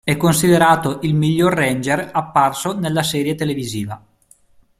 È considerato il miglior Ranger apparso nella serie televisiva.